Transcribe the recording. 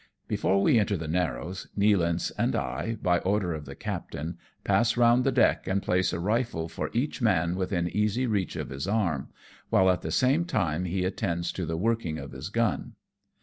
Before we enter the narrows, Nealance and I, by order of the captain, pass round the deck and place a rifle for each man within easy reach of his arm, while at the same time he attends to the working of his gun.